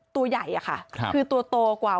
ตัวใหญ่อะค่ะคือตัวโตกว่า